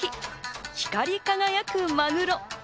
光り輝くマグロ。